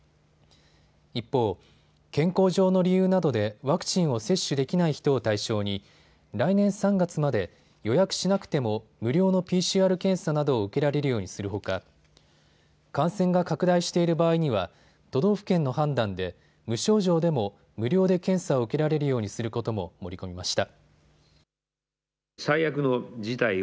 一方、健康上の理由などでワクチンを接種できない人を対象に来年３月まで予約しなくても無料のＰＣＲ検査などを受けられるようにするほか感染が拡大している場合には都道府県の判断で無症状でも無料で検査を受けられるようにすることも盛り込みました。